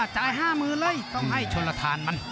จ่าย๕มือเลยต้องให้โชลาธารมัน